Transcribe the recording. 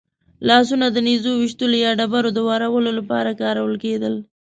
لاسونه د نېزو ویشتلو یا ډبرو د وارولو لپاره کارول کېدل.